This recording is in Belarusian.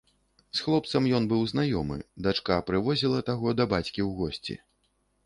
З хлопцам ён быў знаёмы, дачка прывозіла таго да бацькі ў госці.